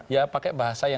ya pakai bahasa yang